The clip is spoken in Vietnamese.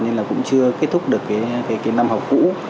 nên là cũng chưa kết thúc được cái năm học cũ